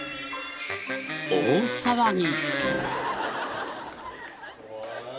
大騒ぎ。